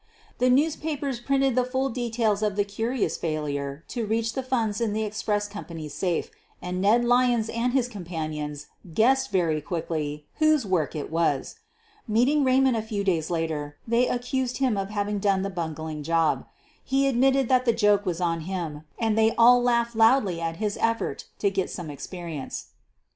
The newspapers printed the full details of the curious failure to reach the funds in the express company's safe, and Ned Lyons and his companions guessed very quickly whose work it was. Meeting Raymond a few days later, they accused him of having done the bungling job. He admitted that the joke was on him, and they all laughed loudly at his effort to get some experience.